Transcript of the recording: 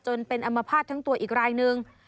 จนเป็นอมภาษณ์ทั้งตัวอีกรายหนึ่ง